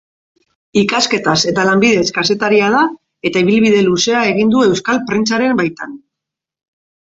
Ikasketaz eta lanbidez kazetaria da eta ibilbide luzea egin du euskal prentsaren baitan.